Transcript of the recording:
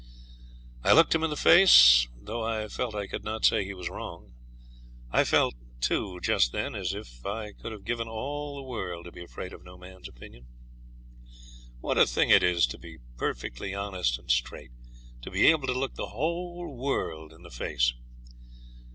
I looked him in the face, though I felt I could not say he was wrong. I felt, too, just then, as if I could have given all the world to be afraid of no man's opinion. What a thing it is to be perfectly honest and straight to be able to look the whole world in the face!